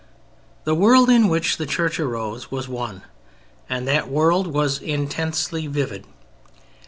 The world in which the Church arose was one; and that world was intensely vivid.